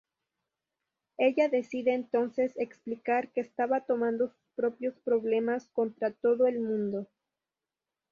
Ella decide entonces explicar que estaba tomando sus propios problemas contra todo el mundo.